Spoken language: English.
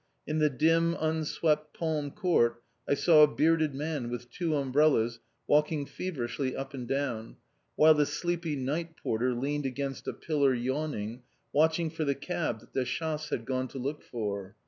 In the dim, unswept palm court I saw a bearded man with two umbrellas walking feverishly up and down, while the sleepy night porter leaned against a pillar yawning, watching for the cab that the chass had gone to look for.